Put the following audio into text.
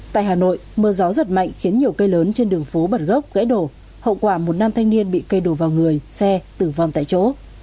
tại hà nội mưa gió giật mạnh khiến nhiều cây lớn trên đường phố bản gốc gãy đổ hậu quả một nam thanh niên bị cây đổ vào người xe tử vong tại chỗ